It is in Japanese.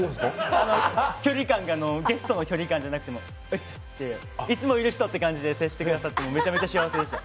距離感がゲストの距離感じゃなくて、いつもいる人という感じで接してくださってめちゃめちゃ幸せでした。